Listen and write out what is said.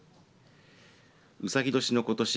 うさぎ年のことし